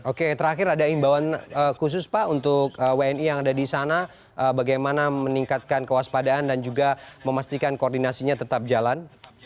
oke terakhir ada imbauan khusus pak untuk wni yang ada di sana bagaimana meningkatkan kewaspadaan dan juga memastikan koordinasinya tetap jalan